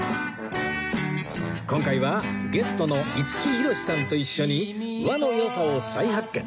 今回はゲストの五木ひろしさんと一緒に和の良さを再発見